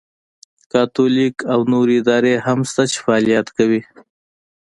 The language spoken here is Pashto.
کاتولیک او نورې ادارې هم شته چې فعالیت کوي.